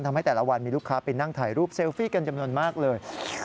ทำให้แต่ละวันมีลูกค้าไปนั่งถ่ายรูปเซลฟี่กันจำนวนมากเลย